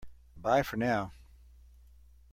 Bye for now!